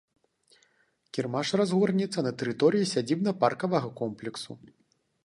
Кірмаш разгорнецца на тэрыторыі сядзібна-паркавага комплексу.